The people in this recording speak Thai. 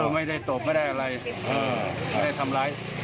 ไม่ได้ตบไม่ได้อะไรไม่ได้ทำร้าย